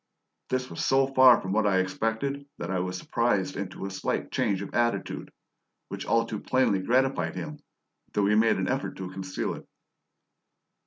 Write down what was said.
This was so far from what I had expected that I was surprised into a slight change of attitude, which all too plainly gratified him, though he made an effort to conceal it.